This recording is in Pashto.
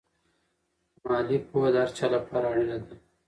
مالي پوهه د هر چا لپاره اړینه ده.